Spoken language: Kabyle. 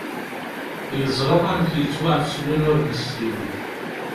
Yeẓra amek yettwaɛfes win ur nessin.